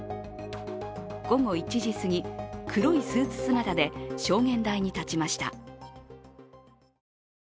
午後１時すぎ、黒いスーツ姿で証言台に立ちました。